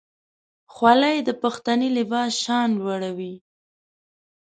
خولۍ د پښتني لباس شان لوړوي.